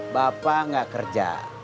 bapak gak kerja